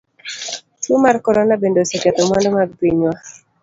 Tuo mar corona bende oseketho mwandu mag pinywa.